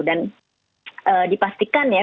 dan dipastikan ya